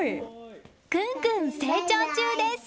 ぐんぐん成長中です。